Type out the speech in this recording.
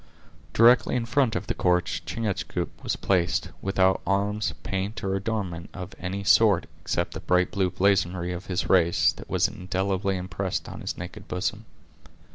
Directly in front of the corpse Chingachgook was placed, without arms, paint or adornment of any sort, except the bright blue blazonry of his race, that was indelibly impressed on his naked bosom.